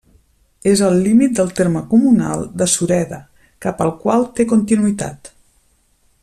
És al límit del terme comunal de Sureda, cap al qual té continuïtat.